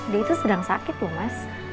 dia itu sedang sakit loh mas